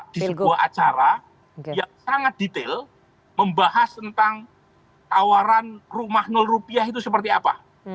di sebuah acara yang sangat detail membahas tentang tawaran rumah rupiah itu seperti apa